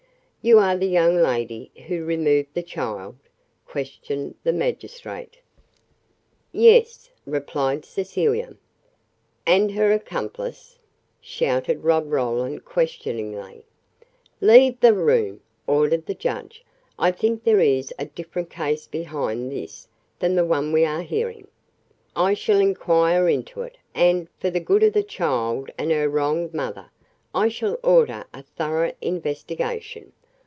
"You are the young lady who removed the child?" questioned the magistrate. "Yes," replied Cecilia. "And her accomplice?" shouted Rob Roland questioningly. "Leave the room!" ordered the judge. "I think there is a different case behind this than the one we are hearing. I shall inquire into it, and, for the good of the child and her wronged mother, I shall order a thorough investigation.